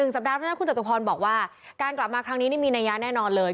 สัปดาห์เท่านั้นคุณจตุพรบอกว่าการกลับมาครั้งนี้นี่มีนัยะแน่นอนเลย